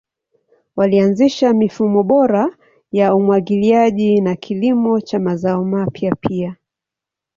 Walianzisha mifumo bora ya umwagiliaji na kilimo cha mazao mapya pia.